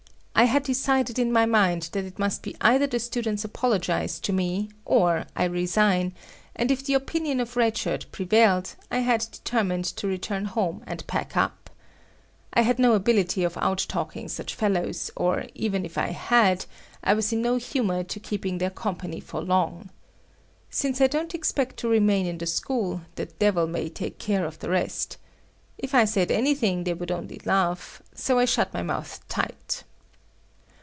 I had decided in my mind that it must be either the students apologize to me or I resign, and if the opinion of Red Shirt prevailed, I had determined to return home and pack up. I had no ability of out talking such fellows, or even if I had, I was in no humor to keeping their company for long. Since I don't expect to remain in the school, the devil may take care of the rest. If I said anything, they would only laugh; so I shut my mouth tight.